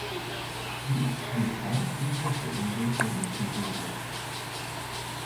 Sie ist die zweit-südlichste Insel der Izu-Inseln.